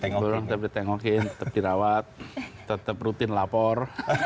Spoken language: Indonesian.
tetap burung tetap ditengokin tetap dirawat tetap rutin lapor